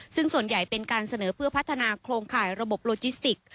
ซึ่งส่วนใหญ่เป็นการเสนอเพื่อพัฒนาโครงข่ายระบบโลจิสติก